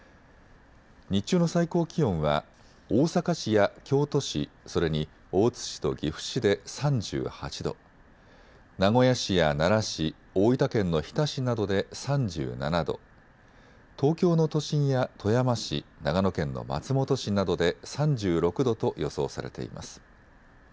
日中の最高気温は大阪市や京都市、それに大津市と岐阜市で３８度、名古屋市や奈良市、大分県の日田市などで３７度、東京の都心や富山市、長野県の松本市などで３６度と予想されています。